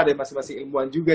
ada masing masing ilmuwan juga